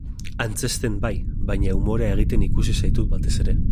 Antzezten bai, baina umorea egiten ikusi zaitut batez ere.